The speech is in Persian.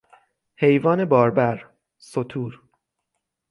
حیوان باربر، ستور